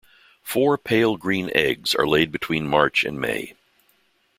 Four pale green eggs are laid between March and May.